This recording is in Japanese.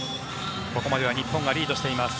ここまでは日本がリードしています。